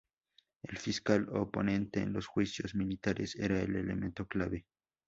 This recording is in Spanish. El fiscal o ponente en los juicios militares era el elemento clave.